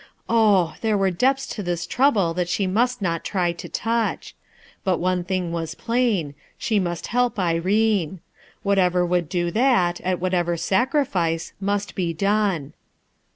Oh 1 there were depths to this trouble (hat she must not try to touch. But one thing wai plain : she must help Irene. Whatever would do that, at whatever sacrifice, must be done.